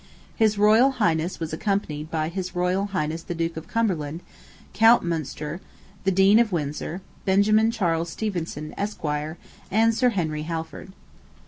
His Royal Highness was accompanied by his Royal Highness the Duke of Cumberland, Count Munster, the Dean of Windsor, Benjamin Charles Stevenson, Esq., and Sir Henry Halford.